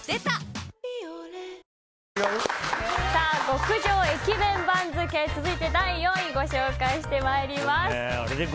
極上駅弁番付、続いて第４位ご紹介してまいります。